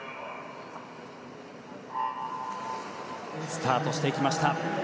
スタートしていきました。